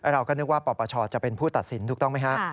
เราก็นึกว่าปปชจะเป็นผู้ตัดสินถูกต้องไหมฮะ